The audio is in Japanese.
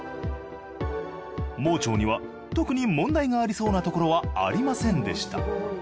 盲腸には特に問題がありそうなところはありませんでした。